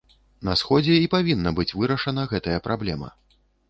На сходзе і павінна быць вырашана гэтая праблема.